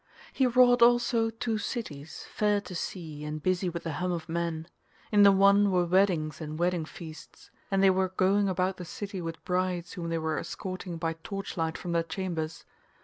He wrought also two cities, fair to see and busy with the hum of men. In the one were weddings and wedding feasts, and they were going about the city with brides whom they were escorting by torchlight from their chambers.